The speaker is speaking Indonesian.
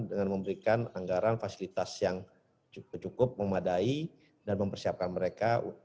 dengan memberikan anggaran fasilitas yang cukup memadai dan mempersiapkan mereka